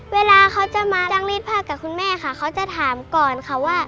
เวลาเขาจะมาจ้างรีดผ้ากับคุณแม่ค่ะเขาจะถามก่อนค่ะว่า